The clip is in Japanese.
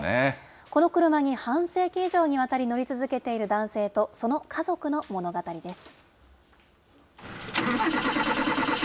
この車に半世紀以上にわたり乗り続けている男性と、その家族の物語です。